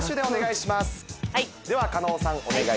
お願いします。